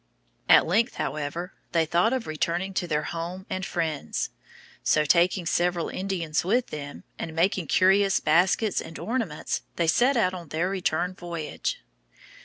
At length, however, they thought of returning to their home and friends. So, taking several Indians with them, and many curious baskets and ornaments, they set out on their return voyage.